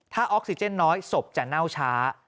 ถ้าออกซิเจนน้อยศพจะเน่าช้า